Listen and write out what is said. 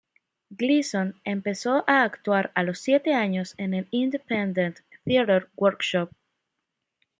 Gleeson empezó a actuar a los siete años en el Independent Theatre Workshop.